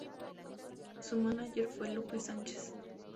Su mánager fue Lupe Sánchez.